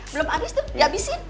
belum habis tuh abisin